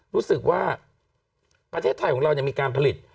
รู้สึกว่าประเทศไทยของเรามีการผลิต